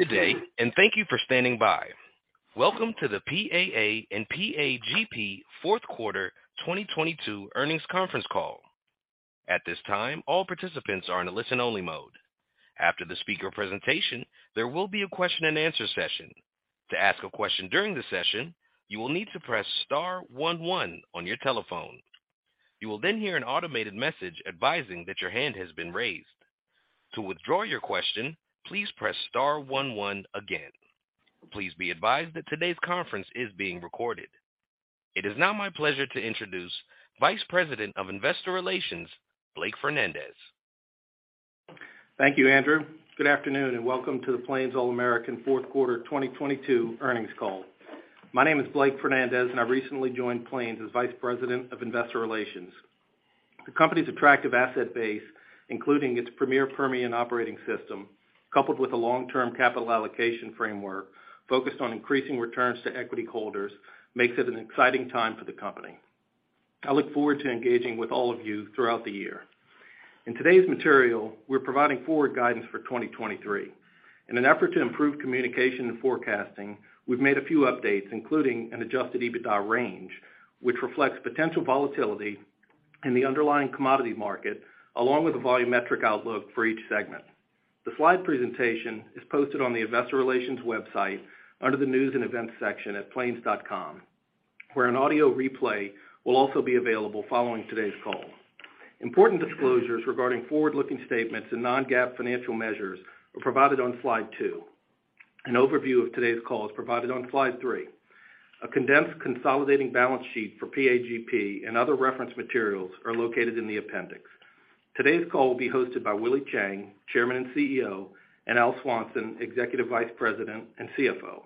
Good day. Thank you for standing by. Welcome to the PAA and PAGP Q4 2022 earnings conference call. At this time, all participants are in a listen-only mode. After the speaker presentation, there will be a question-and-answer session. To ask a question during the session, you will need to press star one one on your telephone. You will hear an automated message advising that your hand has been raised. To withdraw your question, please press star one one again. Please be advised that today's conference is being recorded. It is now my pleasure to introduce Vice President of Investor Relations, Blake Fernandez. Thank you, Andrew. Good afternoon, and welcome to the Plains All American Q4 2022 earnings call. My name is Blake Fernandez, and I recently joined Plains as Vice President of Investor Relations. The company's attractive asset base, including its premier Permian operating system, coupled with a long-term capital allocation framework focused on increasing returns to equity holders, makes it an exciting time for the company. I look forward to engaging with all of you throughout the year. In today's material, we're providing forward guidance for 2023. In an effort to improve communication and forecasting, we've made a few updates, including an Adjusted EBITDA range, which reflects potential volatility in the underlying commodity market, along with the volumetric outlook for each segment. The slide presentation is posted on the investor relations website under the News and Events section at plains.com, where an audio replay will also be available following today's call. Important disclosures regarding forward-looking statements and non-GAAP financial measures are provided on slide two. An overview of today's call is provided on slide three. A condensed consolidating balance sheet for PAGP and other reference materials are located in the appendix. Today's call will be hosted by Willie Chiang, Chairman and CEO, and Al Swanson, Executive Vice President and CFO.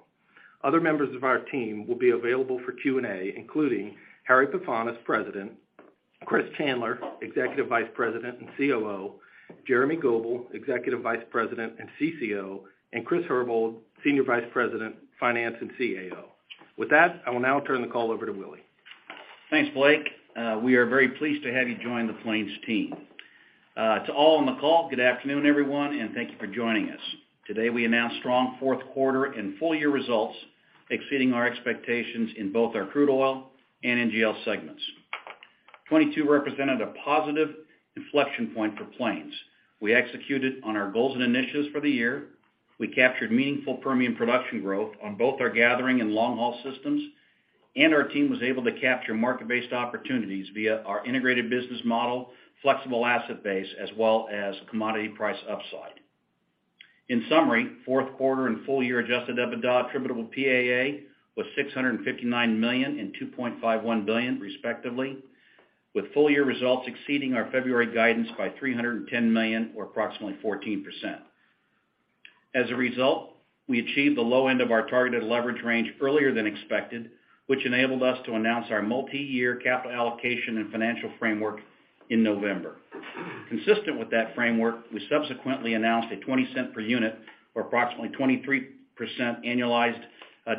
Other members of our team will be available for Q&A, including Harry Pefanis, President, Chris Chandler, Executive Vice President and COO, Jeremy Goebel, Executive Vice President and CCO, and Chris Herbold, Senior Vice President, Finance and CAO. With that, I will now turn the call over to Willie. Thanks, Blake. We are very pleased to have you join the Plains team. To all on the call, good afternoon, everyone, thank you for joining us. Today, we announce strong Q4 and full-year results, exceeding our expectations in both our crude oil and NGL segments. 2022 represented a positive inflection point for Plains. We executed on our goals and initiatives for the year. We captured meaningful Permian production growth on both our gathering and long-haul systems, our team was able to capture market-based opportunities via our integrated business model, flexible asset base, as well as commodity price upside. In summary, Q4 and full-year Adjusted EBITDA attributable PAA was $659 million and $2.51 billion, respectively, with full-year results exceeding our February guidance by $310 million or approximately 14%. As a result, we achieved the low end of our targeted leverage range earlier than expected, which enabled us to announce our multi-year capital allocation and financial framework in November. Consistent with that framework, we subsequently announced a $0.20 per unit or approximately 23% annualized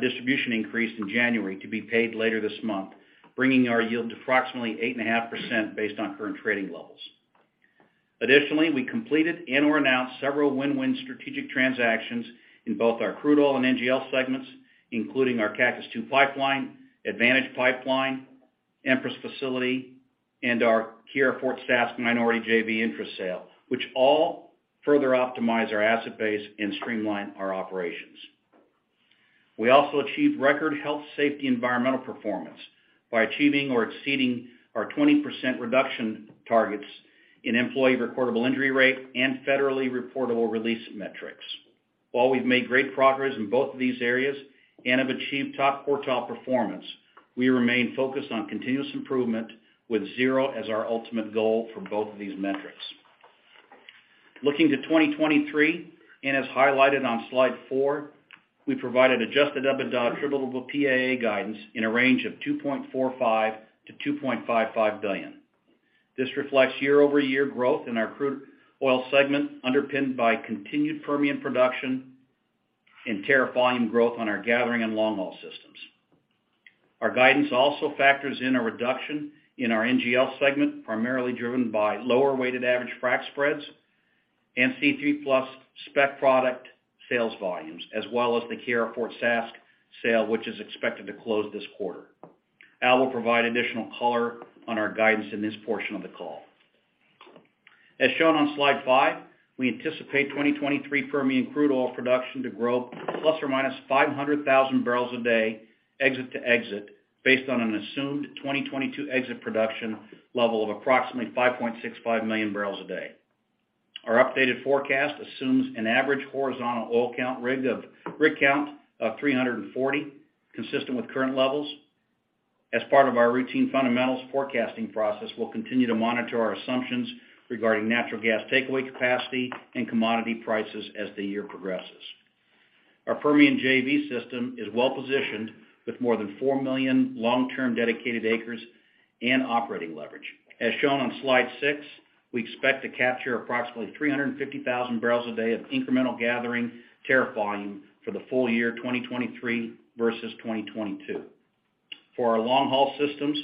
distribution increase in January to be paid later this month, bringing our yield to approximately 8.5% based on current trading levels. We completed and/or announced several win-win strategic transactions in both our crude oil and NGL segments, including our Cactus II Pipeline, Advantage Pipeline, Empress Facility, and our Keyera Fort Saskatchewan minority JV interest sale, which all further optimize our asset base and streamline our operations. We also achieved record health safety environmental performance by achieving or exceeding our 20% reduction targets in employee recordable injury rate and federally reportable release metrics. While we've made great progress in both of these areas and have achieved top quartile performance, we remain focused on continuous improvement with zero as our ultimate goal for both of these metrics. Looking to 2023, as highlighted on slide four, we provided Adjusted EBITDA attributable PAA guidance in a range of $2.45 billion-$2.55 billion. This reflects year-over-year growth in our crude oil segment, underpinned by continued Permian production and tariff volume growth on our gathering and long-haul systems. Our guidance also factors in a reduction in our NGL segment, primarily driven by lower weighted average frac spreads and C3+ spec product sales volumes, as well as the Keyera Fort Saskatchewan sale, which is expected to close this quarter. Al will provide additional color on our guidance in this portion of the call. As shown on slide five, we anticipate 2023 Permian crude oil production to grow ±500,000 barrels a day exit to exit based on an assumed 2022 exit production level of approximately 5.65 million barrels a day. Our updated forecast assumes an average horizontal oil rig count of 340, consistent with current levels. As part of our routine fundamentals forecasting process, we'll continue to monitor our assumptions regarding natural gas takeaway capacity and commodity prices as the year progresses. Our Permian JV system is well-positioned with more than 4 million long-term dedicated acres and operating leverage. As shown on slide six, we expect to capture approximately 350,000 barrels a day of incremental gathering tariff volume for the full year 2023 versus 2022. For our long-haul systems,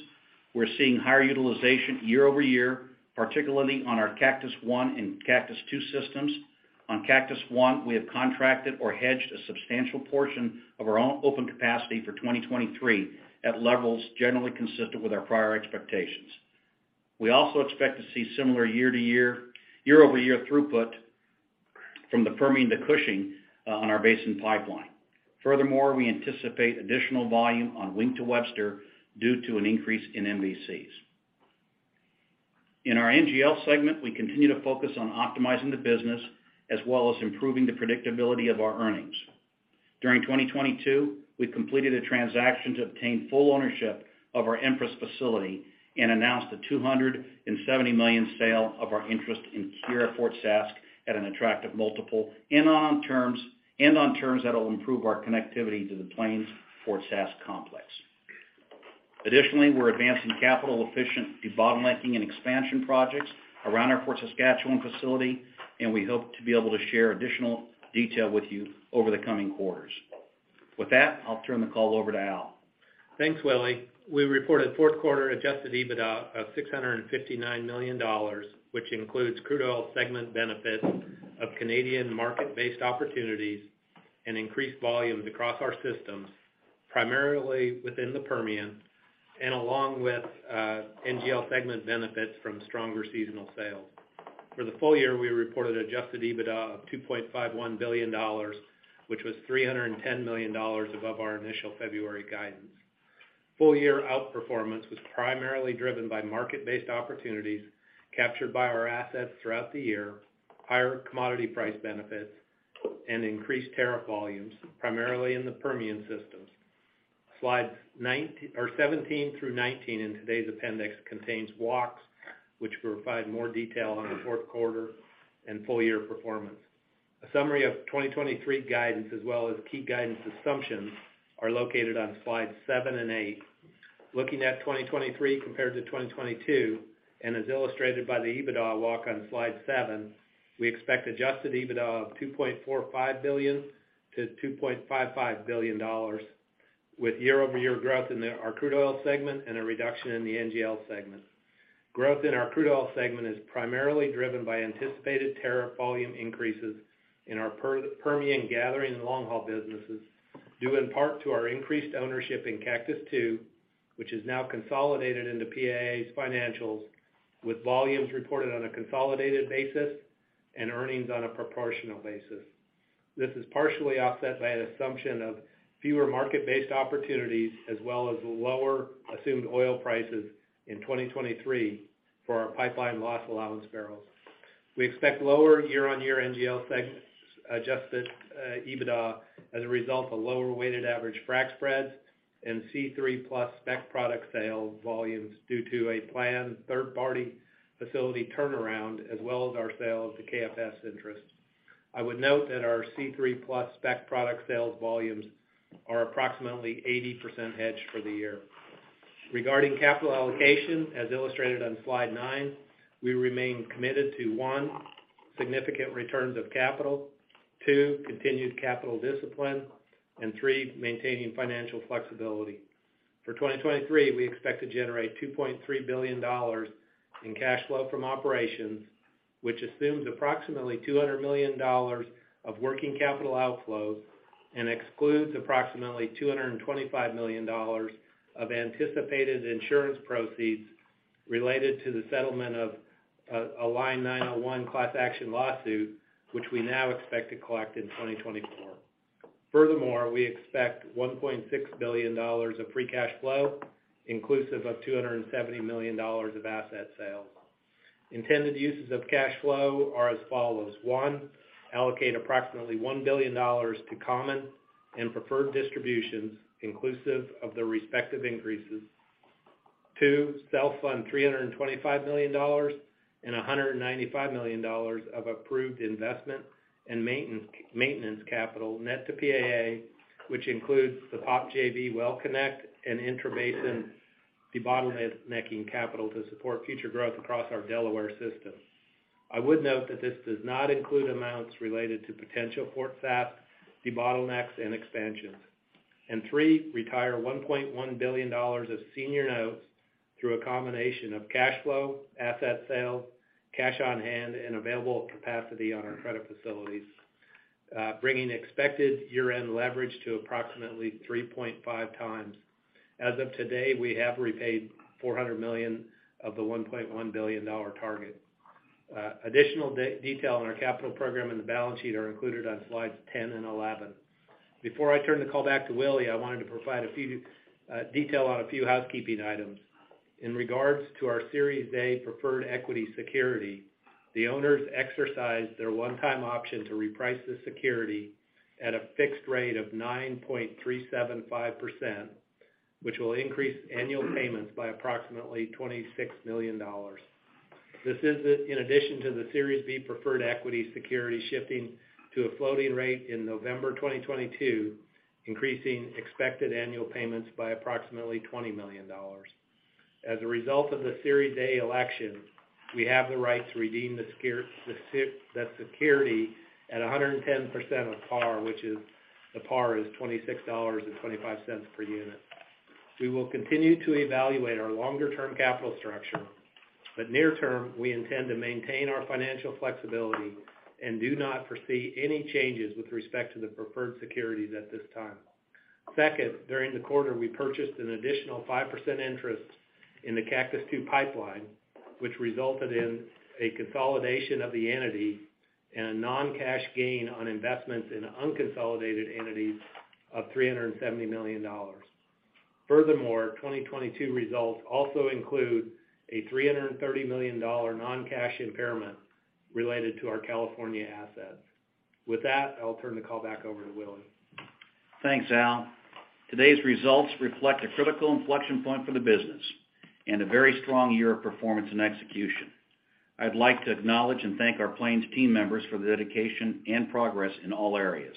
we're seeing higher utilization year-over-year, particularly on our Cactus I and Cactus II systems. On Cactus I, we have contracted or hedged a substantial portion of our own open capacity for 2023 at levels generally consistent with our prior expectations. We also expect to see similar year-over-year throughput from the Permian to Cushing on our Basin Pipeline. Furthermore, we anticipate additional volume on Wink to Webster due to an increase in MVCs. In our NGL segment, we continue to focus on optimizing the business as well as improving the predictability of our earnings. During 2022, we completed a transaction to obtain full ownership of our Empress facility and announced a $270 million sale of our interest in Keyera Fort Saskatchewan at an attractive multiple and on terms that will improve our connectivity to the Plains Fort Sask complex. Additionally, we're advancing capital-efficient debottlenecking and expansion projects around our Fort Saskatchewan facility, and we hope to be able to share additional detail with you over the coming quarters. With that, I'll turn the call over to Al. Thanks, Willie. We reported Q4 Adjusted EBITDA of $659 million, which includes crude oil segment benefits of Canadian market-based opportunities and increased volumes across our systems, primarily within the Permian and along with NGL segment benefits from stronger seasonal sales. The full year, we reported Adjusted EBITDA of $2.51 billion, which was $310 million above our initial February guidance. Full year outperformance was primarily driven by market-based opportunities captured by our assets throughout the year, higher commodity price benefits, and increased tariff volumes, primarily in the Permian systems. Slides 17 through 19 in today's appendix contains walks which provide more detail on the Q4 and full year performance. A summary of 2023 guidance as well as key guidance assumptions are located on slides seven and eight. Looking at 2023 compared to 2022. As illustrated by the EBITDA walk on slide seven, we expect Adjusted EBITDA of $2.45 billion-$2.55 billion, with year-over-year growth in our crude oil segment and a reduction in the NGL segment. Growth in our crude oil segment is primarily driven by anticipated tariff volume increases in our Permian gathering and long-haul businesses, due in part to our increased ownership in Cactus II, which is now consolidated into PAA's financials, with volumes reported on a consolidated basis and earnings on a proportional basis. This is partially offset by an assumption of fewer market-based opportunities as well as lower assumed oil prices in 2023 for our pipeline loss allowance barrels. We expect lower year-on-year NGL segment's Adjusted EBITDA as a result of lower weighted average frac spreads and C3+ spec product sales volumes due to a planned third-party facility turnaround as well as our sale to KFS interest. I would note that our C3+ spec product sales volumes are approximately 80% hedged for the year. Regarding capital allocation, as illustrated on slide nine, we remain committed to, one, significant returns of capital, two, continued capital discipline, and three, maintaining financial flexibility. For 2023, we expect to generate $2.3 billion in cash flow from operations, which assumes approximately $200 million of working capital outflows and excludes approximately $225 million of anticipated insurance proceeds related to the settlement of a Line 901 class action lawsuit, which we now expect to collect in 2024. Furthermore, we expect $1.6 billion of free cash flow, inclusive of $270 million of asset sales. Intended uses of cash flow are as follows. one, allocate approximately $1 billion to common and preferred distributions, inclusive of the respective increases. two, self-fund $325 million and $195 million of approved investment and maintenance capital net to PAA, which includes the POP JV WellConnect and intrabasin debottlenecking capital to support future growth across our Delaware system. I would note that this does not include amounts related to potential Fort Sask bottlenecks and expansions. three, retire $1.1 billion of senior notes through a combination of cash flow, asset sales, cash on hand, and available capacity on our credit facilities, bringing expected year-end leverage to approximately 3.5x. As of today, we have repaid $400 million of the $1.1 billion target. additional detail on our capital program and the balance sheet are included on slides 10 and 11. Before I turn the call back to Willie, I wanted to provide a few detail on a few housekeeping items. In regards to our Series A preferred equity security, the owners exercised their one-time option to reprice the security at a fixed rate of 9.375%, which will increase annual payments by approximately $26 million. This is in addition to the Series B preferred equity security shifting to a floating rate in November 2022, increasing expected annual payments by approximately $20 million. As a result of the Series A election, we have the right to redeem that security at 110% of par, which is the par is $26.25 per unit. We will continue to evaluate our longer-term capital structure, near term, we intend to maintain our financial flexibility and do not foresee any changes with respect to the preferred securities at this time. Second, during the quarter, we purchased an additional 5% interest in the Cactus II Pipeline, which resulted in a consolidation of the entity and a non-cash gain on investments in unconsolidated entities of $370 million. 2022 results also include a $330 million non-cash impairment related to our California assets. With that, I'll turn the call back over to Willie. Thanks, Al. Today's results reflect a critical inflection point for the business and a very strong year of performance and execution. I'd like to acknowledge and thank our Plains team members for their dedication and progress in all areas.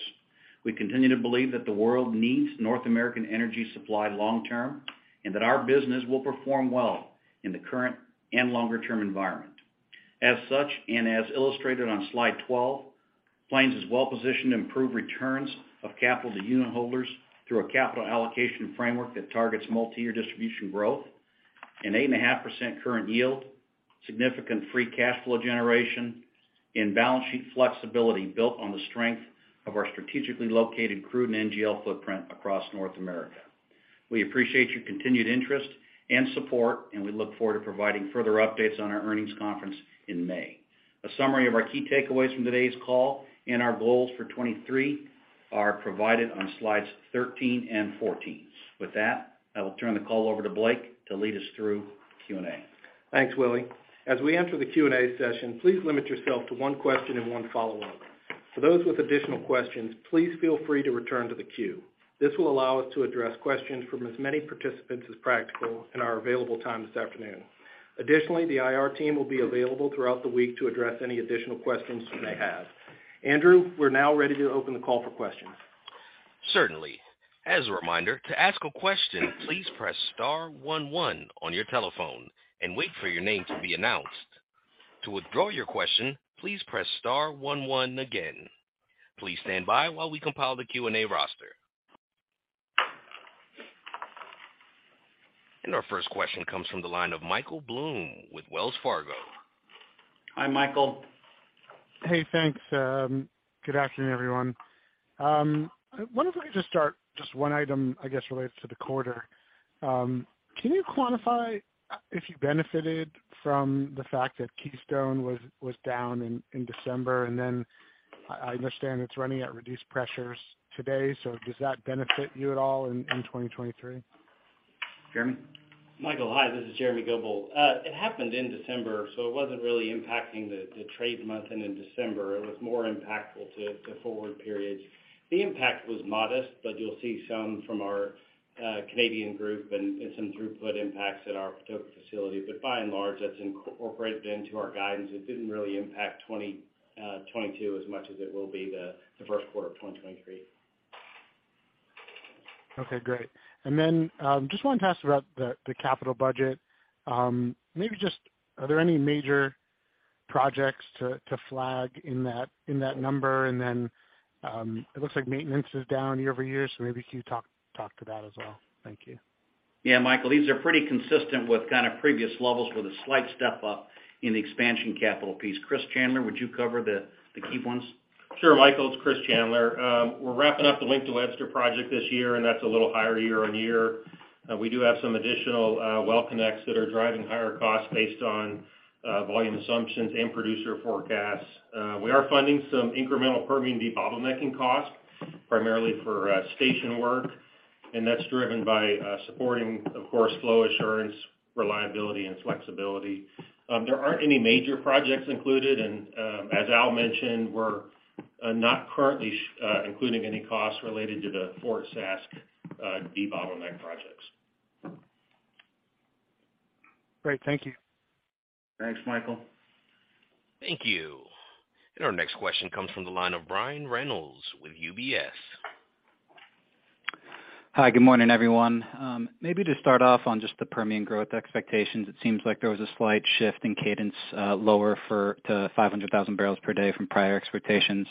We continue to believe that the world needs North American energy supply long term, and that our business will perform well in the current and longer-term environment. As such, and as illustrated on slide 12, Plains is well positioned to improve returns of capital to unit holders through a capital allocation framework that targets multi-year distribution growth, an 8.5% current yield, significant free cash flow generation, and balance sheet flexibility built on the strength of our strategically located crude and NGL footprint across North America. We appreciate your continued interest and support, and we look forward to providing further updates on our earnings conference in May. A summary of our key takeaways from today's call and our goals for 2023 are provided on slides 13 and 14. With that, I will turn the call over to Blake to lead us through Q&A. Thanks, Willie. As we enter the Q&A session, please limit yourself to one question and one follow-up. For those with additional questions, please feel free to return to the queue. This will allow us to address questions from as many participants as practical in our available time this afternoon. Additionally, the IR team will be available throughout the week to address any additional questions you may have. Andrew, we're now ready to open the call for questions. Certainly. As a reminder, to ask a question, please press star one one on your telephone and wait for your name to be announced. To withdraw your question, please press star one one again. Please stand by while we compile the Q&A roster. Our first question comes from the line of Michael Blum with Wells Fargo. Hi, Michael. Hey, thanks. Good afternoon, everyone. I wonder if I could just start just one item, I guess, relates to the quarter. Can you quantify if you benefited from the fact that Keystone was down in December? I understand it's running at reduced pressures today. Does that benefit you at all in 2023? Jeremy? Michael, hi, this is Jeremy Goebel. It happened in December. It wasn't really impacting the trade month ending December. It was more impactful to the forward periods. The impact was modest. You'll see some from our Canadian group and some throughput impacts at our Patoka facility. By and large, that's incorporated into our guidance. It didn't really impact 2022 as much as it will be the Q1 of 2023. Okay, great. just wanted to ask about the capital budget. maybe just are there any major projects to flag in that number? it looks like maintenance is down year-over-year, so maybe can you talk to that as well? Thank you. Yeah, Michael, these are pretty consistent with kind of previous levels with a slight step up in the expansion capital piece. Chris Chandler, would you cover the key ones? Sure, Michael. It's Chris Chandler. We're wrapping up the Wink to Webster project this year, and that's a little higher year-over-year. We do have some additional well connects that are driving higher costs based on volume assumptions and producer forecasts. We are funding some incremental Permian debottlenecking costs, primarily for station work, and that's driven by supporting, of course, flow assurance, reliability, and flexibility. There aren't any major projects included. As Al mentioned, we're not currently including any costs related to the Fort Sask debottleneck projects. Great. Thank you. Thanks, Michael. Thank you. Our next question comes from the line of Brian Reynolds with UBS. Hi. Good morning, everyone. Maybe to start off on just the Permian growth expectations, it seems like there was a slight shift in cadence, lower for the 500,000 barrels per day from prior expectations.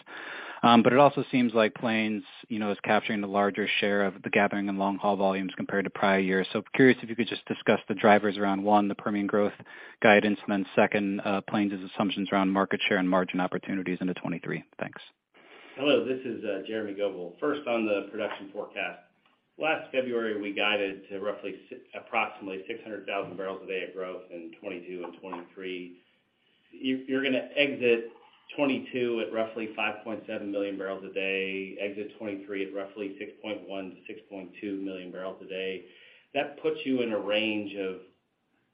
It also seems like Plains, you know, is capturing the larger share of the gathering and long-haul volumes compared to prior years. Curious if you could just discuss the drivers around, one, the Permian growth guidance, and then two, Plains' assumptions around market share and margin opportunities into 2023. Thanks. Hello. This is Jeremy Goebel. First on the production forecast. Last February, we guided to roughly approximately 600,000 barrels a day of growth in 2022 and 2023. You're gonna exit 2022 at roughly 5.7 million barrels a day, exit 2023 at roughly 6.1 million-6.2 million barrels a day. That puts you in a range of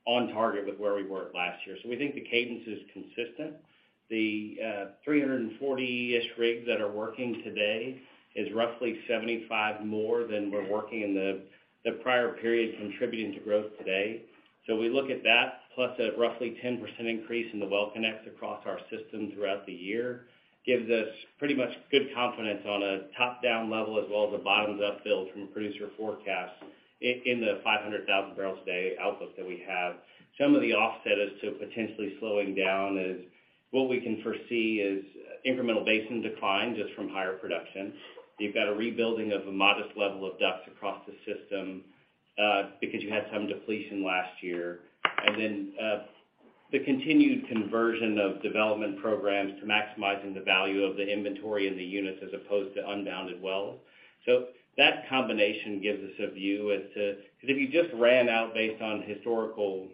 on target with where we were last year. We think the cadence is consistent. The 340-ish rigs that are working today is roughly 75 more than were working in the prior period contributing to growth today. We look at that plus a roughly 10% increase in the well connects across our system throughout the year, gives us pretty much good confidence on a top-down level as well as a bottoms-up build from a producer forecast in the 500,000 barrels a day outlook that we have. Some of the offset as to potentially slowing down is what we can foresee is incremental basin decline just from higher production. You've got a rebuilding of a modest level of DUCs across the system because you had some depletion last year. Then, the continued conversion of development programs to maximizing the value of the inventory in the units as opposed to unbounded wells. That combination gives us a view as to. If you just ran out based on historical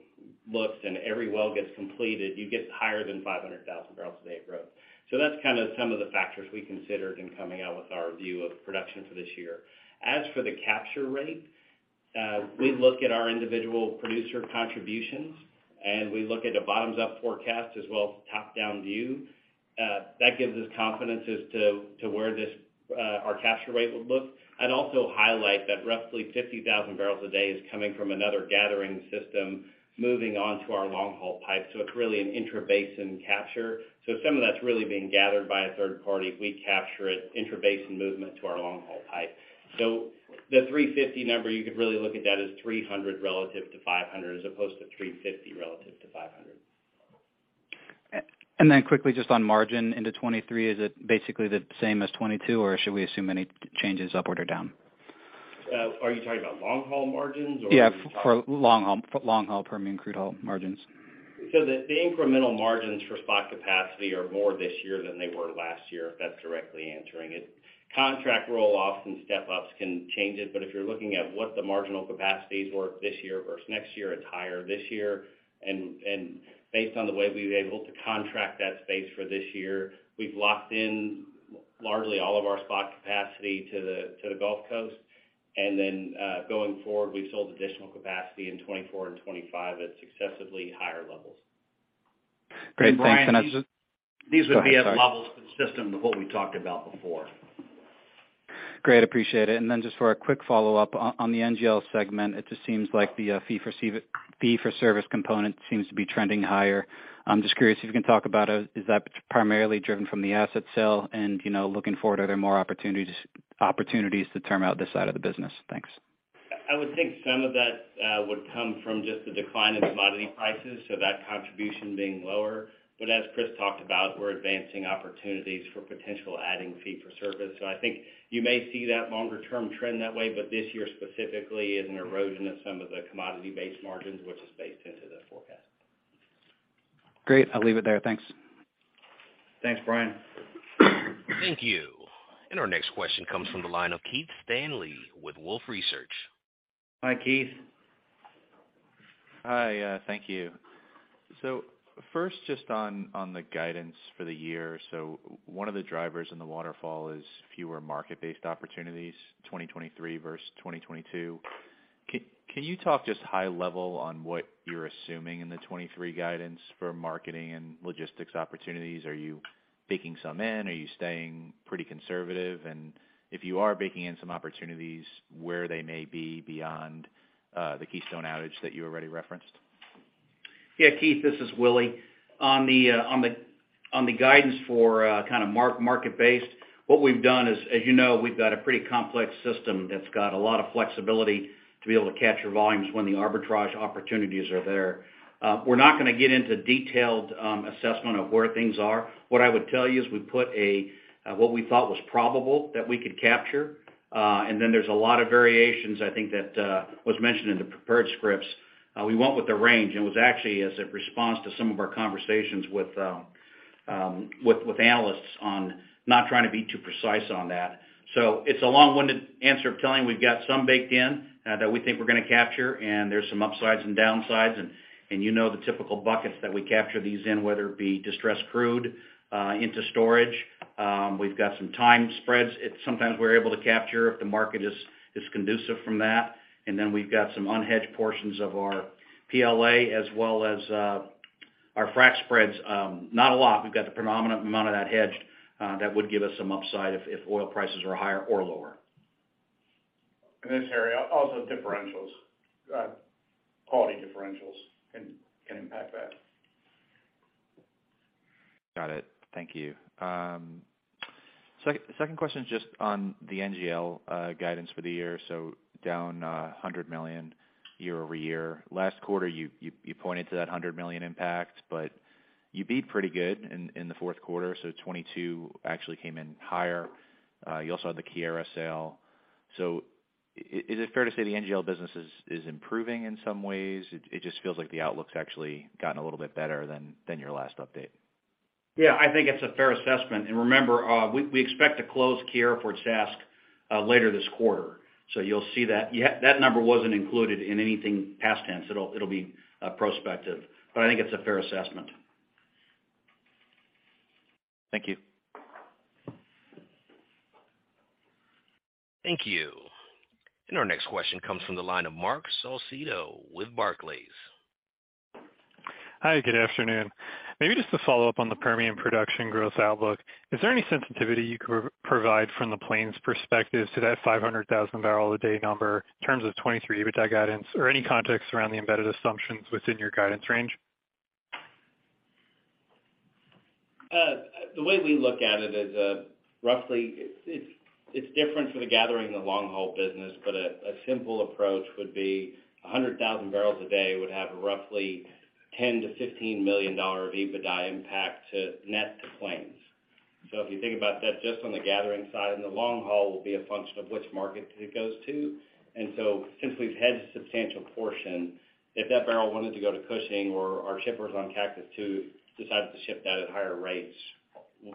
looks and every well gets completed, you get higher than 500,000 barrels a day of growth. That's kind of some of the factors we considered in coming out with our view of production for this year. As for the capture rate, we look at our individual producer contributions, and we look at a bottoms-up forecast as well as a top-down view. That gives us confidence as to where this, our capture rate would look. I'd also highlight that roughly 50,000 barrels a day is coming from another gathering system moving on to our long-haul pipe, so it's really an intrabasin capture. Some of that's really being gathered by a third party. We capture it, intrabasin movement to our long-haul pipe. The 350 number, you could really look at that as 300 relative to 500 as opposed to 350 relative to 500. Then quickly, just on margin into 2023, is it basically the same as 2022, or should we assume any changes up or down? Are you talking about long-haul margins? Yeah, for long-haul Permian crude oil margins. The incremental margins for spot capacity are more this year than they were last year, if that's directly answering it. Contract roll-offs and step-ups can change it, but if you're looking at what the marginal capacities were this year versus next year, it's higher this year. Based on the way we've been able to contract that space for this year, we've locked in largely all of our spot capacity to the Gulf Coast. Then, going forward, we've sold additional capacity in 2024 and 2025 at successively higher levels. Great. Thanks. Brian, these would be- Go ahead. Sorry. ...as levels consistent with what we talked about before. Great, appreciate it. Just for a quick follow-up. On the NGL segment, it just seems like the fee for service component seems to be trending higher. I'm just curious if you can talk about, is that primarily driven from the asset sale? You know, looking forward, are there more opportunities to term out this side of the business? Thanks. I would think some of that would come from just the decline in commodity prices, so that contribution being lower. As Chris talked about, we're advancing opportunities for potential adding fee for service. I think you may see that longer-term trend that way, but this year specifically is an erosion of some of the commodity-based margins, which is baked into the forecast. Great. I'll leave it there. Thanks. Thanks, Brian. Thank you. Our next question comes from the line of Keith Stanley with Wolfe Research. Hi, Keith. Hi. Thank you. First, just on the guidance for the year. One of the drivers in the waterfall is fewer market-based opportunities, 2023 versus 2022. Can you talk just high level on what you're assuming in the 2023 guidance for marketing and logistics opportunities? Are you baking some in? Are you staying pretty conservative? If you are baking in some opportunities, where they may be beyond the Keystone outage that you already referenced? Yeah, Keith, this is Willie. On the guidance for kind of market-based, what we've done is, as you know, we've got a pretty complex system that's got a lot of flexibility to be able to capture volumes when the arbitrage opportunities are there. We're not gonna get into detailed assessment of where things are. What I would tell you is we put what we thought was probable that we could capture, and then there's a lot of variations, I think that was mentioned in the prepared scripts. We went with the range, and it was actually as a response to some of our conversations with analysts on not trying to be too precise on that. It's a long-winded answer of telling. We've got some baked in, that we think we're gonna capture, and there's some upsides and downsides. You know the typical buckets that we capture these in, whether it be distressed crude, into storage. We've got some time spreads sometimes we're able to capture if the market is conducive from that. Then we've got some unhedged portions of our PLA as well as our frac spreads. Not a lot. We've got the predominant amount of that hedged that would give us some upside if oil prices are higher or lower. In this area, also differentials, quality differentials can impact that. Got it. Thank you. Second question is just on the NGL guidance for the year. Down $100 million year-over-year. Last quarter, you pointed to that $100 million impact, but you beat pretty good in the Q4, so 2022 actually came in higher. You also had the Keyera sale. Is it fair to say the NGL business is improving in some ways? It just feels like the outlook's actually gotten a little bit better than your last update. Yeah, I think it's a fair assessment. Remember, we expect to close Keyera Fort Sask, later this quarter. You'll see that. Yeah, that number wasn't included in anything past tense. It'll be, prospective. I think it's a fair assessment. Thank you. Thank you. Our next question comes from the line of Marc Solecitto with Barclays. Hi. Good afternoon. Maybe just to follow up on the Permian production growth outlook. Is there any sensitivity you could provide from the Plains perspective to that 500,000 barrel a day number in terms of 2023 EBITDA guidance or any context around the embedded assumptions within your guidance range? The way we look at it is, roughly it's different for the gathering, the long-haul business. A simple approach would be 100,000 barrels a day would have roughly $10 million-$15 million of EBITDA impact net to Plains. If you think about that just on the gathering side and the long haul will be a function of which market it goes to. Since we've hedged a substantial portion, if that barrel wanted to go to Cushing or our shippers on Cactus II decided to ship that at higher rates,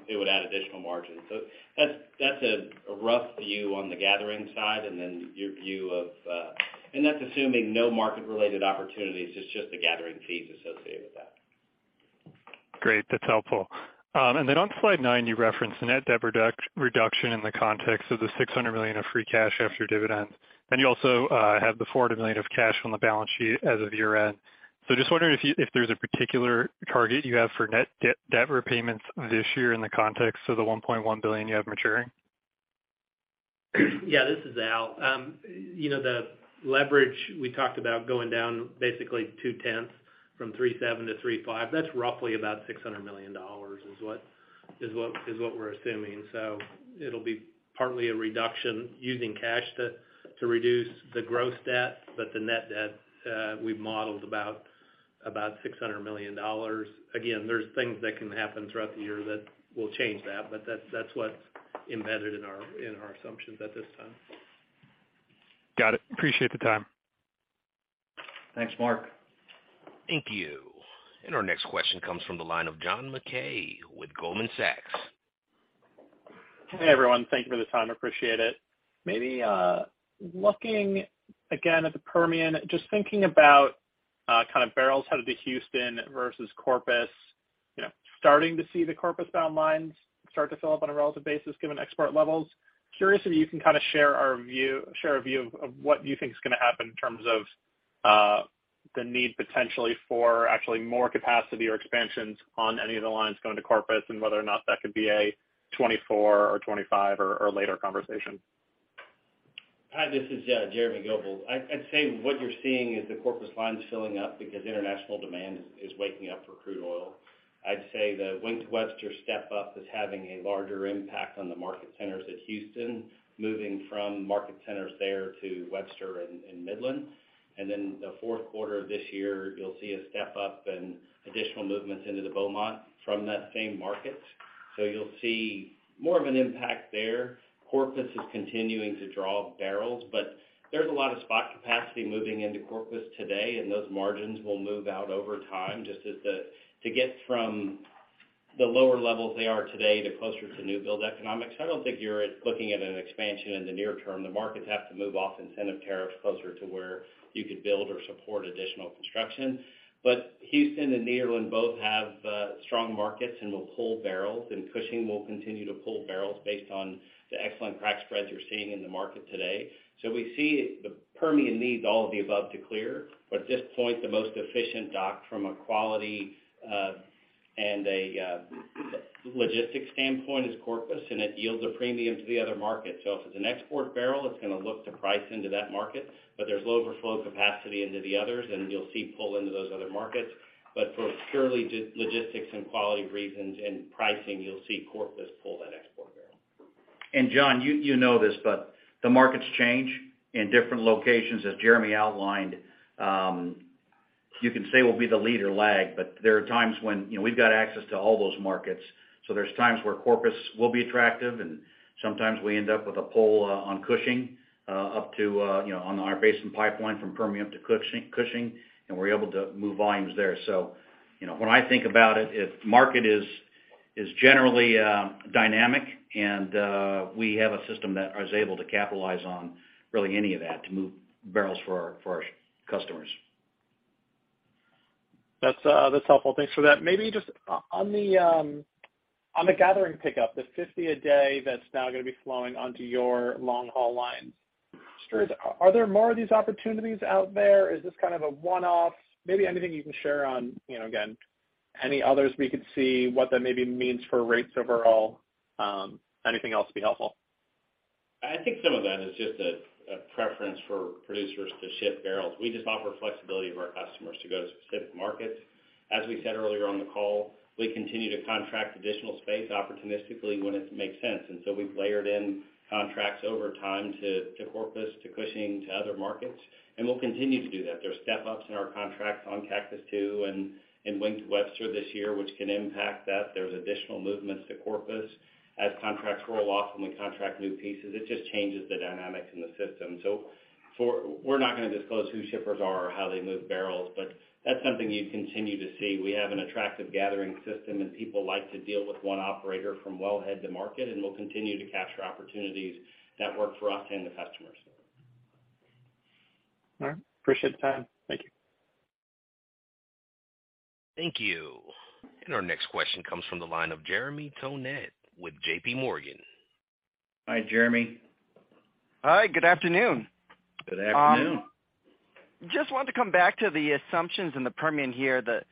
it would add additional margin. That's a rough view on the gathering side and then your view of. That's assuming no market related opportunities, it's just the gathering fees associated with that. Great. That's helpful. On slide nine, you referenced net debt reduction in the context of the $600 million of free cash after dividends. You also have the $400 million of cash on the balance sheet as of year-end. Just wondering if there's a particular target you have for net debt repayments this year in the context of the $1.1 billion you have maturing. Yeah, this is Al. You know, the leverage we talked about going down basically 0.2 from 3.7-3.5, that's roughly about $600 million is what we're assuming. It'll be partly a reduction using cash to reduce the gross debt, but the net debt, we've modeled about $600 million. Again, there's things that can happen throughout the year that will change that, but that's what's embedded in our assumptions at this time. Got it. Appreciate the time. Thanks, Mark. Thank you. Our next question comes from the line of John Mackay with Goldman Sachs. Hey, everyone. Thank you for the time. Appreciate it. Maybe, looking again at the Permian, just thinking about, kind of barrels headed to Houston versus Corpus, you know, starting to see the Corpus bound lines start to fill up on a relative basis given export levels. Curious if you can kind of share a view of what you think is gonna happen in terms of the need potentially for actually more capacity or expansions on any of the lines going to Corpus, and whether or not that could be a 2024 or 2025 or later conversation. Hi, this is Jeremy Goebel. I'd say what you're seeing is the Corpus lines filling up because international demand is waking up for crude oil. I'd say the Wink Webster step up is having a larger impact on the market centers at Houston, moving from market centers there to Webster and Midland. The Q4 of this year, you'll see a step up and additional movements into the Beaumont from that same market. You'll see more of an impact there. Corpus is continuing to draw barrels, there's a lot of spot capacity moving into Corpus today, and those margins will move out over time just as to get from the lower levels they are today to closer to new build economics. I don't think you're looking at an expansion in the near term. The markets have to move off incentive tariffs closer to where you could build or support additional construction. Houston and Nederland both have strong markets and will pull barrels, and Cushing will continue to pull barrels based on the excellent crack spreads you're seeing in the market today. We see the Permian needs all of the above to clear. At this point, the most efficient dock from a quality and a logistics standpoint is Corpus, and it yields a premium to the other markets. If it's an export barrel, it's gonna look to price into that market, but there's low overflow capacity into the others, and you'll see pull into those other markets. For purely logistics and quality reasons and pricing, you'll see Corpus pull that export barrel. John, you know this, but the markets change in different locations, as Jeremy outlined. You can say we'll be the lead or lag, but there are times when, you know, we've got access to all those markets. There's times where Corpus will be attractive, and sometimes we end up with a pull on Cushing up to, you know, on our Basin Pipeline from Permian up to Cushing, and we're able to move volumes there. You know, when I think about it, market is generally dynamic, and we have a system that is able to capitalize on really any of that to move barrels for our customers. That's helpful. Thanks for that. Maybe just on the gathering pickup, the 50 a day that's now gonna be flowing onto your long-haul lines. Stewart, are there more of these opportunities out there? Is this kind of a one-off? Maybe anything you can share on, you know, again, any others we could see what that maybe means for rates overall, anything else would be helpful. I think some of that is just a preference for producers to ship barrels. We just offer flexibility to our customers to go to specific markets. As we said earlier on the call, we continue to contract additional space opportunistically when it makes sense. We've layered in contracts over time to Corpus, to Cushing, to other markets, and we'll continue to do that. There are step-ups in our contracts on Cactus II and in Wink Webster this year, which can impact that. There's additional movements to Corpus. As contracts roll off and we contract new pieces, it just changes the dynamics in the system. We're not gonna disclose who shippers are or how they move barrels, but that's something you continue to see. We have an attractive gathering system, and people like to deal with one operator from wellhead to market, and we'll continue to capture opportunities that work for us and the customers. All right. Appreciate the time. Thank you. Thank you. Our next question comes from the line of Jeremy Tonet with JPMorgan. Hi, Jeremy. Hi, good afternoon. Good afternoon. Just wanted to come back to the assumptions in the Permian here, the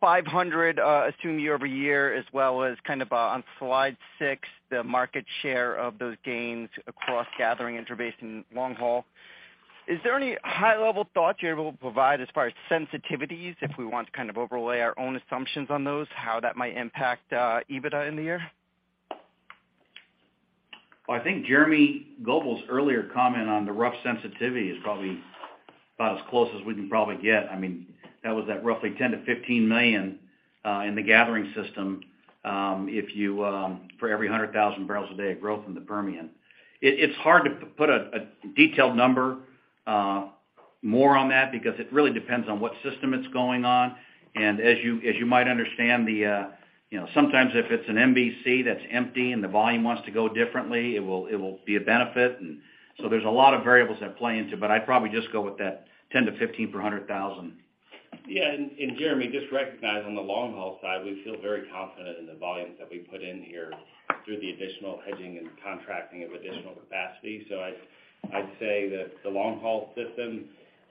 500 assumed year-over-year, as well as kind of on Slide six, the market share of those gains across gathering, interbasin, long haul. Is there any high-level thought you're able to provide as far as sensitivities if we want to kind of overlay our own assumptions on those, how that might impact EBITDA in the year? Well, I think Jeremy Goebel's earlier comment on the rough sensitivity is probably about as close as we can probably get. I mean, that was at roughly $10 million-$15 million in the gathering system, if you for every 100,000 barrels a day of growth in the Permian. It's hard to put a detailed number more on that because it really depends on what system it's going on. As you might understand the, you know, sometimes if it's an MBC that's empty and the volume wants to go differently, it will be a benefit. So there's a lot of variables that play into, but I'd probably just go with that $10-$15 per 100,000. Yeah. Jeremy, just recognize on the long haul side, we feel very confident in the volumes that we put in here through the additional hedging and contracting of additional capacity. I'd say that the long haul system,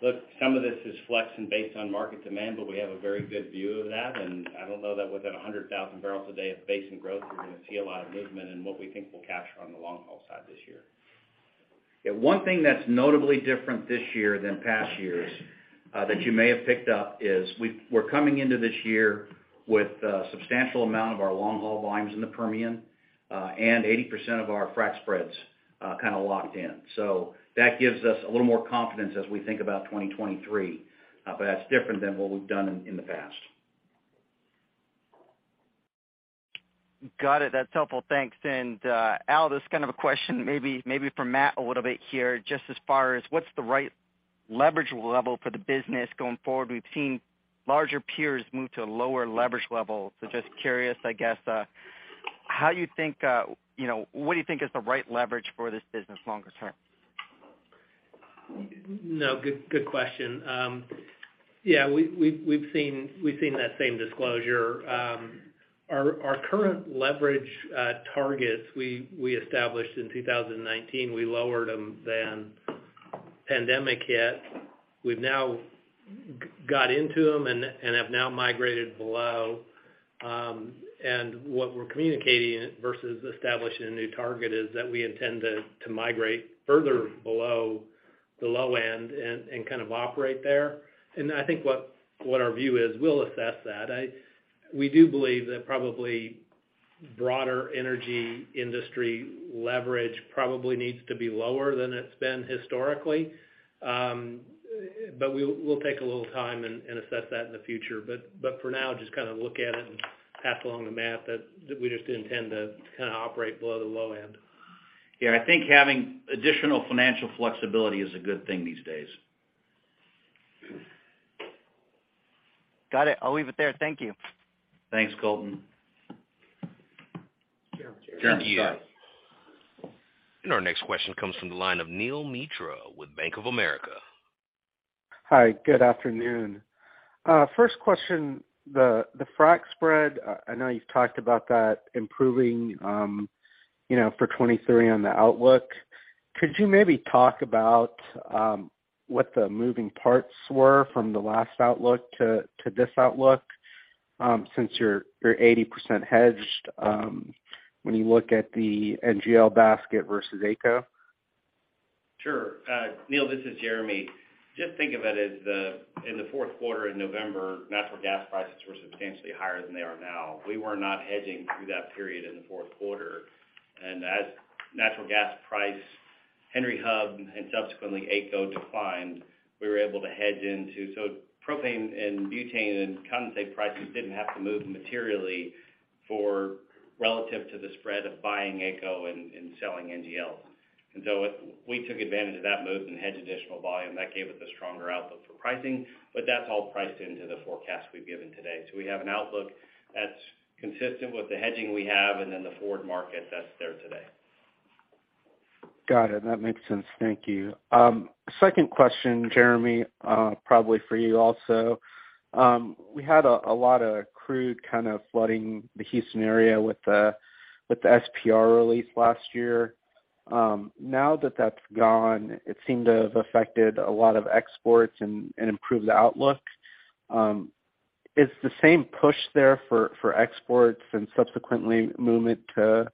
look, some of this is flex and based on market demand, but we have a very good view of that. I don't know that within 100,000 barrels a day of basin growth, we're gonna see a lot of movement in what we think we'll capture on the long haul side this year. Yeah, one thing that's notably different this year than past years, that you may have picked up is we're coming into this year with a substantial amount of our long haul volumes in the Permian, and 80% of our frac spreads, kind of locked in. That gives us a little more confidence as we think about 2023. That's different than what we've done in the past. Got it. That's helpful. Thanks. Al, this is kind of a question maybe for Matt a little bit here, just as far as what's the right leverage level for the business going forward? We've seen larger peers move to a lower leverage level. Just curious, I guess, how you think, you know, what do you think is the right leverage for this business longer term? No, good question. Yeah, we've seen that same disclosure. Our current leverage targets we established in 2019, we lowered them then. Pandemic hit. We've now got into them and have now migrated below. What we're communicating versus establishing a new target is that we intend to migrate further below the low end and kind of operate there. I think what our view is, we'll assess that. We do believe that probably broader energy industry leverage probably needs to be lower than it's been historically. We'll take a little time and assess that in the future. For now, just kind of look at it and path along the math that we just intend to kind of operate below the low end. Yeah, I think having additional financial flexibility is a good thing these days. Got it. I'll leave it there. Thank you. Thanks, Goebel. Jeremy. Jeremy, yeah. Our next question comes from the line of Neel Mitra with Bank of America. Hi, good afternoon. First question, the frac spread. I know you've talked about that improving, you know, for 23 on the outlook. Could you maybe talk about what the moving parts were from the last outlook to this outlook, since you're 80% hedged, when you look at the NGL basket versus AECO? Sure. Neel, this is Jeremy. Just think of it as the, in the Q4 in November, natural gas prices were substantially higher than they are now. We were not hedging through that period in the Q4. As natural gas price, Henry Hub and subsequently AECO declined, we were able to hedge into. Propane and butane and condensate prices didn't have to move materially for relative to the spread of buying AECO and selling NGLs. We took advantage of that move and hedged additional volume. That gave us a stronger outlook for pricing, but that's all priced into the forecast we've given today. We have an outlook that's consistent with the hedging we have and then the forward market that's there today. Got it. That makes sense. Thank you. Second question, Jeremy, probably for you also. We had a lot of crude kind of flooding the Houston area with the SPR release last year. Now that that's gone, it seemed to have affected a lot of exports and improved the outlook. Is the same push there for exports and subsequently movement to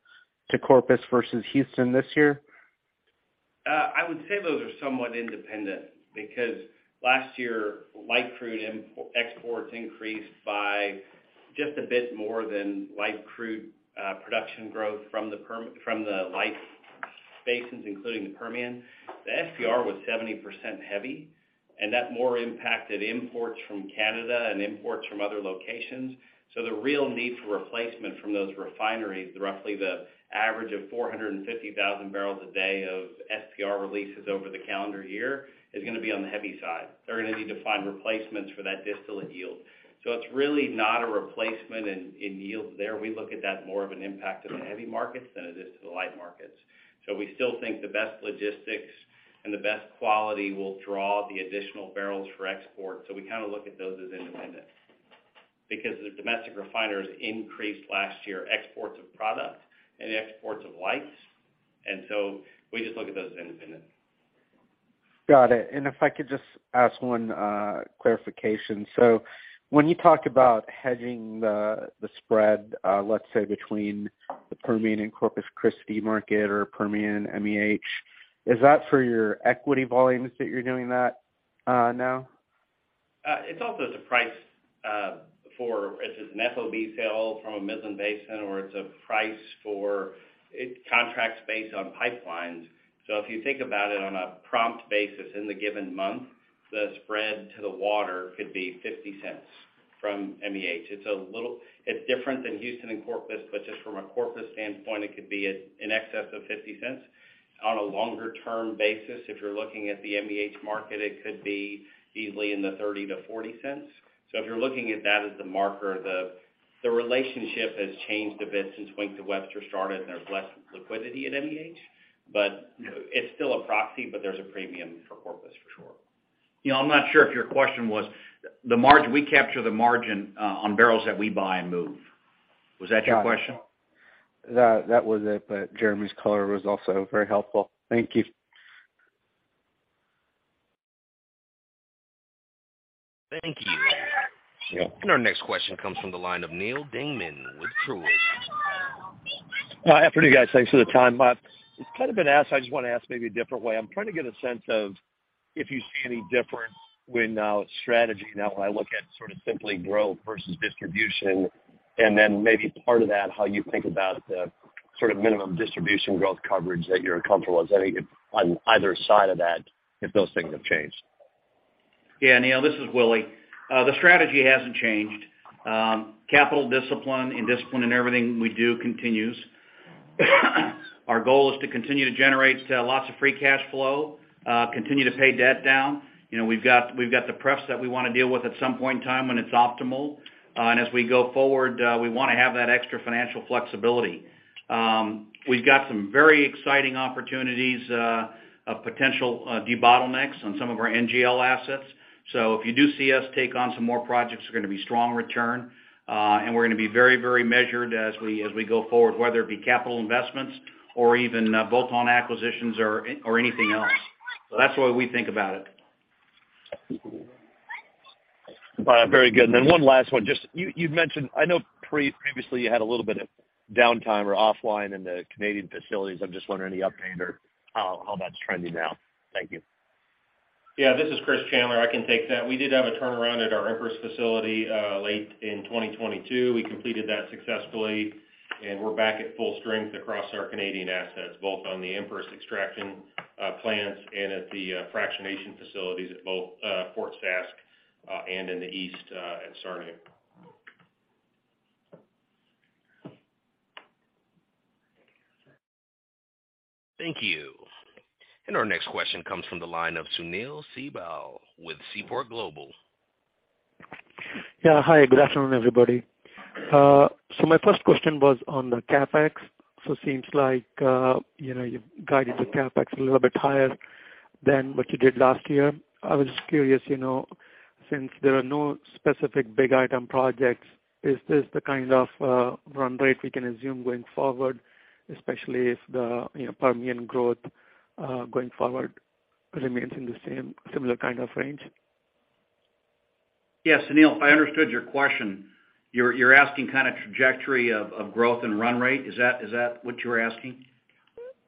Corpus versus Houston this year? I would say those are somewhat independent because last year, light crude exports increased by just a bit more than light crude production growth from the light basins, including the Permian. The SPR was 70% heavy. That more impacted imports from Canada and imports from other locations. The real need for replacement from those refineries, roughly the average of 450,000 barrels a day of SPR releases over the calendar year, is gonna be on the heavy side. They're gonna need to find replacements for that distillate yield. It's really not a replacement in yields there. We look at that more of an impact to the heavy markets than it is to the light markets. We still think the best logistics and the best quality will draw the additional barrels for export. We kind of look at those as independent. The domestic refiners increased last year exports of product and exports of lights. We just look at those independent. Got it. If I could just ask one clarification. When you talk about hedging the spread, let's say between the Permian and Corpus Christi market or Permian and MEH, is that for your equity volumes that you're doing that, now? It's also the price for an FOB sale from a Midland Basin, or it's a price for contracts based on pipelines. If you think about it on a prompt basis in the given month, the spread to the water could be $0.50 from MEH. It's different than Houston and Corpus, but just from a Corpus standpoint, it could be in excess of $0.50. On a longer-term basis, if you're looking at the MEH market, it could be easily in the $0.30-$0.40. If you're looking at that as the marker, the relationship has changed a bit since Wink to Webster started, and there's less liquidity at MEH. It's still a proxy, but there's a premium for Corpus, for sure. You know, I'm not sure if your question was. We capture the margin on barrels that we buy and move. Was that your question? That was it. Jeremy's color was also very helpful. Thank you. Thank you. Our next question comes from the line of Neal Dingmann with Truist. Afternoon, guys. Thanks for the time. It's kind of been asked, I just wanna ask maybe a different way. I'm trying to get a sense of if you see any difference when strategy now I look at sort of simply growth versus distribution, and then maybe part of that, how you think about the sort of minimum distribution growth coverage that you're comfortable with. Is on either side of that, if those things have changed? Yeah, Neal, this is Willie. The strategy hasn't changed. Capital discipline and discipline in everything we do continues. Our goal is to continue to generate lots of free cash flow, continue to pay debt down. You know, we've got the pref that we wanna deal with at some point in time when it's optimal. As we go forward, we wanna have that extra financial flexibility. We've got some very exciting opportunities of potential debottlenecks on some of our NGL assets. If you do see us take on some more projects, they're gonna be strong return, and we're gonna be very, very measured as we go forward, whether it be capital investments or even bolt-on acquisitions or anything else. That's the way we think about it. Very good. One last one. Just you'd mentioned I know previously you had a little bit of downtime or offline in the Canadian facilities. I'm just wondering any update or how that's trending now. Thank you. Yeah. This is Chris Chandler. I can take that. We did have a turnaround at our Empress facility, late in 2022. We completed that successfully, and we're back at full strength across our Canadian assets, both on the Empress extraction, plants and at the fractionation facilities at both, Fort Sask, and in the East, at Sarnia. Thank you. Our next question comes from the line of Sunil Sibal with Seaport Global. Hi, good afternoon, everybody. My first question was on the CapEx. Seems like, you know, you've guided the CapEx a little bit higher than what you did last year. I was just curious, you know, since there are no specific big item projects, is this the kind of run rate we can assume going forward, especially if the, you know, Permian growth going forward remains in the same similar kind of range? Yeah. Sunil, if I understood your question, you're asking kind of trajectory of growth and run rate. Is that what you're asking?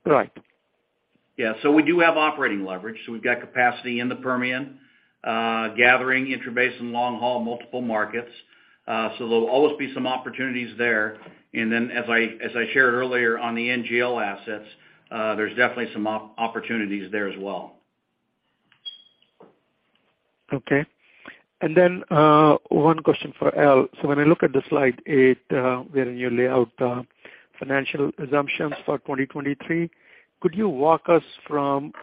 Right. Yeah. We do have operating leverage. We've got capacity in the Permian, gathering intrabasin long-haul multiple markets. There'll always be some opportunities there. As I shared earlier on the NGL assets, there's definitely some opportunities there as well. Okay. One question for Al. When I look at slide eight, where you lay out financial assumptions for 2023, could you walk us from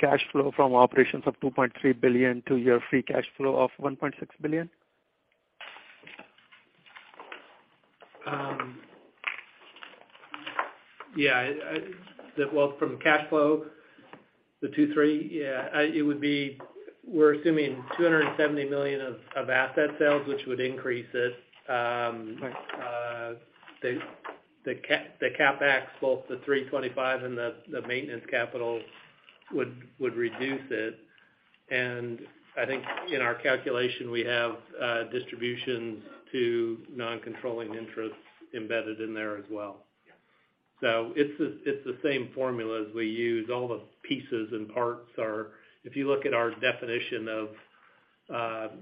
cash flow from operations of $2.3 billion to your free cash flow of $1.6 billion? Yeah. Well, from cash flow, the two three, yeah, we're assuming $270 million of asset sales, which would increase it. The CapEx, both the $325 million and the maintenance capital would reduce it. I think in our calculation, we have distributions to non-controlling interests embedded in there as well. It's the same formula as we use. All the pieces and parts are. If you look at our definition of,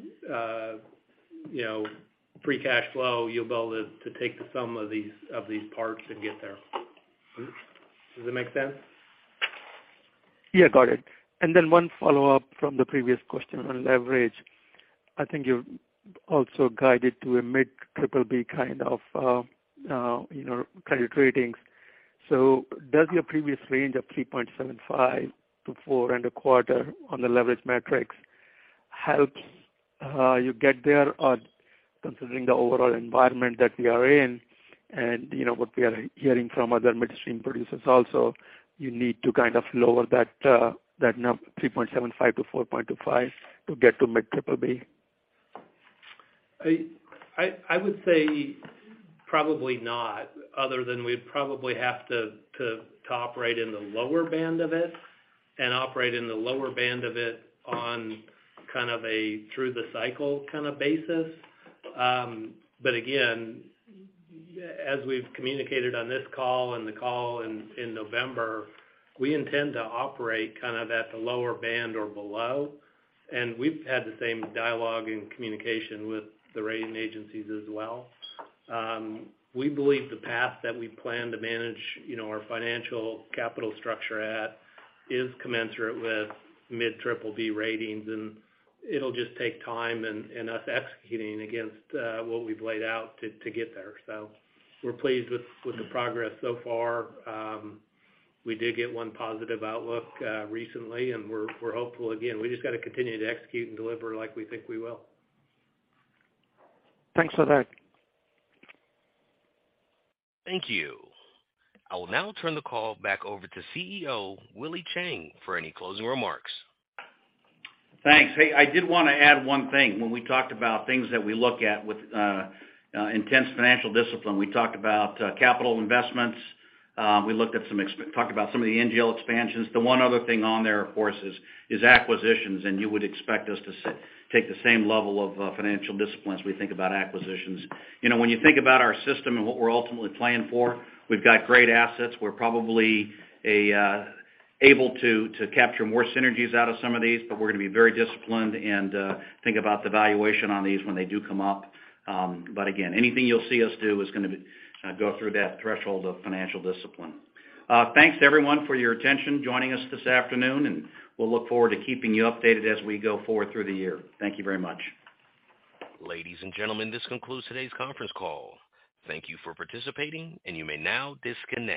you know, free cash flow, you'll be able to take the sum of these parts and get there. Does that make sense? Yeah, got it. One follow-up from the previous question on leverage. I think you've also guided to a mid triple-B kind of, you know, credit ratings. Does your previous range of 3.75-4.25 on the leverage metrics help, you get there, considering the overall environment that we are in and, you know, what we are hearing from other midstream producers also, you need to kind of lower that number 3.75-4.25 to get to mid triple-B? I would say probably not other than we'd probably have to operate in the lower band of it and operate in the lower band of it on kind of a through the cycle kind of basis. Again, as we've communicated on this call and the call in November, we intend to operate kind of at the lower band or below. We've had the same dialogue and communication with the rating agencies as well. We believe the path that we plan to manage, you know, our financial capital structure at is commensurate with mid triple-B ratings, and it'll just take time and us executing against what we've laid out to get there. We're pleased with the progress so far. We did get one positive outlook recently, and we're hopeful. Again, we just gotta continue to execute and deliver like we think we will. Thanks for that. Thank you. I will now turn the call back over to CEO Willie Chiang for any closing remarks. Thanks. Hey, I did wanna add one thing. When we talked about things that we look at with intense financial discipline, we talked about capital investments, we talked about some of the NGL expansions. The one other thing on there, of course, is acquisitions, and you would expect us to take the same level of financial disciplines as we think about acquisitions. You know, when you think about our system and what we're ultimately planning for, we've got great assets. We're probably able to capture more synergies out of some of these, but we're gonna be very disciplined and think about the valuation on these when they do come up. Again, anything you'll see us do is gonna be go through that threshold of financial discipline. Thanks everyone for your attention joining us this afternoon, and we'll look forward to keeping you updated as we go forward through the year. Thank you very much. Ladies and gentlemen, this concludes today's conference call. Thank you for participating, and you may now disconnect.